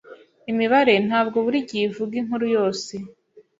Imibare ntabwo buri gihe ivuga inkuru yose.